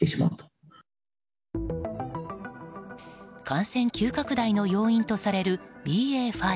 感染急拡大の要因とされるＢＡ．５。